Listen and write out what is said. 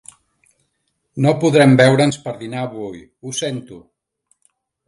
No podrem veure'ns per dinar avui, ho sento!